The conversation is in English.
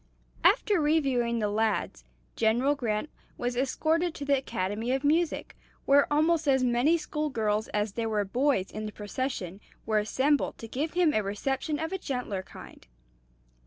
After reviewing the lads, General Grant was escorted to the Academy of Music, where almost as many school girls as there were boys in the procession were assembled to give him a reception of a gentler kind.